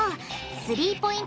スリーポイント